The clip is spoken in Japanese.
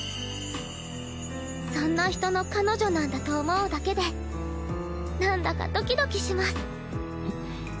そんな人の彼女なんだと思うだけでなんだかドキドキします。